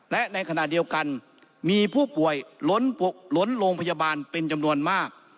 และในขณะเดียวกันมีผู้ป่วยล้นโรงพยาบาลเป็นจำนวนมาก